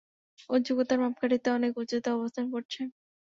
ও যোগ্যতার মাপকাঠিতে অনেক উঁচুতে অবস্থান করছে!